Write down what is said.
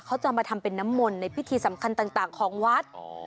เขาจะมาทำเป็นน้ำมนต์ในพิธีสำคัญต่างของวัด